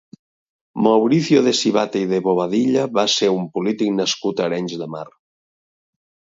Mauricio de Sivatte i de Bobadilla va ser un polític nascut a Arenys de Mar.